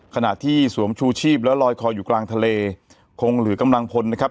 ขณะที่สวมชูชีพแล้วลอยคออยู่กลางทะเลคงเหลือกำลังพลนะครับ